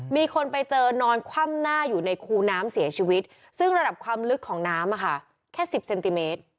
มีคนไปเจอนอนคว่ำหน้าอยู่ในคูน้ำเสียชีวิตซึ่งระดับความลึกของน้ำแค่๑๐เซนติเมตร